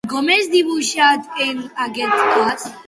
I com és dibuixat, en aquest cas?